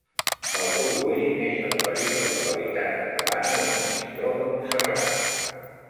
Falcó Güell neix a la petita localitat catalana de Monistrol de Montserrat.